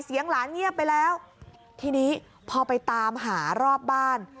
เสียงหลานเงียบไปแล้วทีนี้พอไปตามหารอบบ้าน